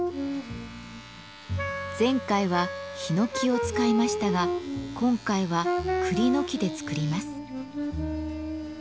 前回はヒノキを使いましたが今回はクリの木で作ります。